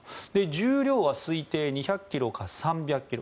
重量は推定２００ｋｇから３００ｋｇ。